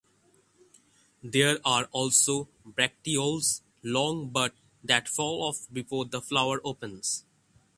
There are also bracteoles long but that fall off before the flower opens.